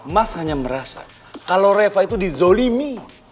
mas hanya merasa kalau reva itu dizolimi